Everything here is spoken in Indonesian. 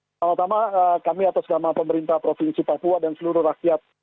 pertama tama kami atas nama pemerintah provinsi papua dan seluruh rakyat